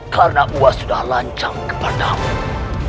karena wak sudah lancang kepadamu